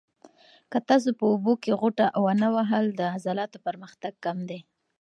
که تاسو په اوبو کې غوټه ونه وهل، د عضلاتو پرمختګ کم دی.